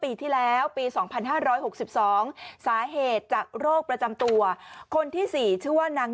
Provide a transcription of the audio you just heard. ปีที่แล้วปี๒๕๖๒สาเหตุจากโรคประจำตัวคนที่๔ชื่อว่านาง